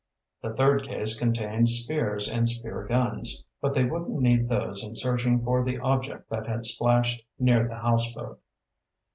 The third case contained spears and spear guns, but they wouldn't need those in searching for the object that had splashed near the houseboat.